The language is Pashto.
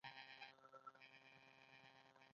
ویده خوب ذهن تازه کوي